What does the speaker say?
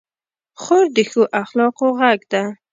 خور د ښو اخلاقو غږ ده.